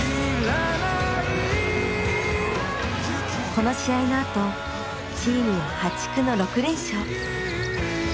この試合のあとチームは破竹の６連勝。